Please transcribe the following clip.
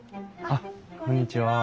あっこんにちは。